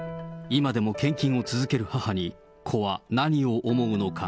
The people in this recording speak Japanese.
今でも献金を続ける母に、子は何を思うのか。